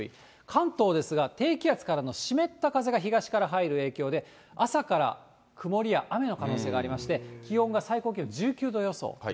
関東ですが、低気圧からの湿った風が東から入る影響で、朝から曇りや雨の可能性がありまして、気温が最高気温、１９度予想。